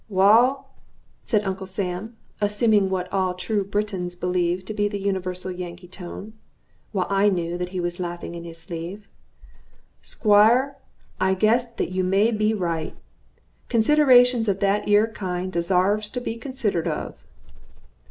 "Wal," said Uncle Sam, assuming what all true Britons believe to be the universal Yankee tone, while I knew that he was laughing in his sleeve, "Squire, I guess that you may be right. Considerations of that 'ere kind desarves to be considered of."